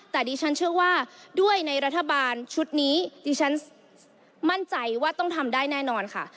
แต่ดิฉันเชื่อว่าด้วยในรัฐบาลชุดนี้ดิฉันมั่นใจว่าต้องทำได้แน่นอนค่ะ